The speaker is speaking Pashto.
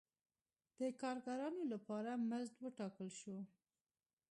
د کارګرانو لپاره مزد وټاکل شو.